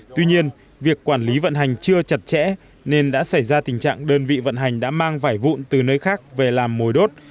tuy nhiên việc quản lý vận hành chưa chặt chẽ nên đã xảy ra tình trạng đơn vị vận hành đã mang vải vụn từ nơi khác về làm mồi đốt